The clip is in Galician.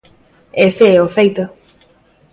Ese é o feito.